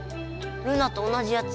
ルナと同じやつ！